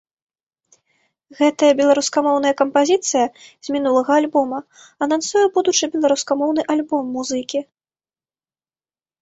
Гэтая беларускамоўная кампазіцыя з мінулага альбома анансуе будучы беларускамоўны альбом музыкі.